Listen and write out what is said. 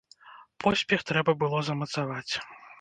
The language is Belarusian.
Поспех трэба было замацаваць.